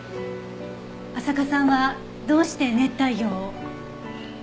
浅香さんはどうして熱帯魚を？